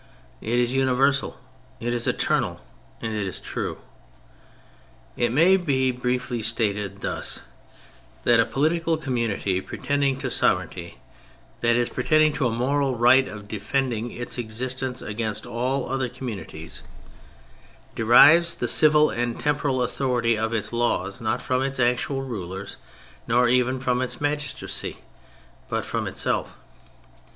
It is universal, it is eternal, and it is true. It may be briefly stated thus : that a politi cal community pretending to sovereignty, that is, pretending to a moral right of defending its existence against all other communities, derives the civil and temporal authority of its laws not from its actual rulers, nor even from its magistracy, but from itself.